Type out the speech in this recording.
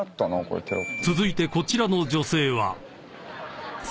［続いてこちらの女性は］